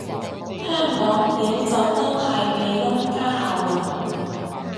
香港撩就都係鼻窿加喉嚨